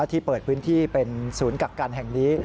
ที่เปิดพื้นที่เป็นศูนย์กักกันแห่งนี้